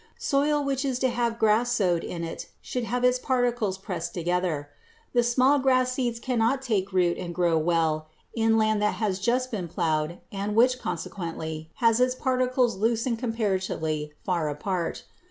Soil which is to have grass sowed in it should have its particles pressed together. The small grass seeds cannot take root and grow well in land that has just been plowed and which, consequently, has its particles loose and comparatively far apart.